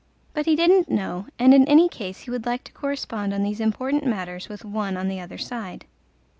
But he didn't know, and in any case he would like to correspond on these important matters with one on the other side.